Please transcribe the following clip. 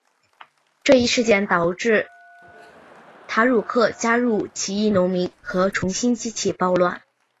这一事件导致塔鲁克加入起义农民和重新激起暴乱。